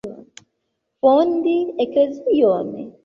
Fondi eklezion?